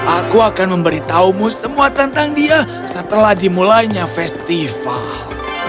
aku akan memberitahumu semua tentang dia setelah dimulainya festival